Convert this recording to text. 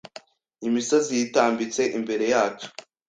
imisozi yitambitse imbere yacu